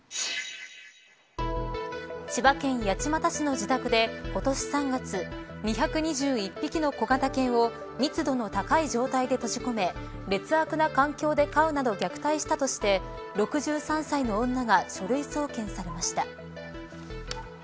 千葉県八街市の自宅で今年３月、２２１匹の小型犬を密度の高い状態で閉じ込め劣悪な環境で飼うなど虐待したとして６３歳の女が書類送検されました。